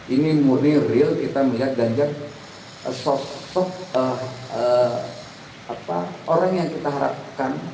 ini murni real kita melihat ganjar sosok orang yang kita harapkan